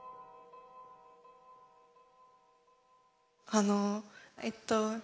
あのえっと